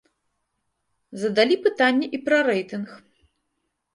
Задалі пытанне і пра рэйтынг.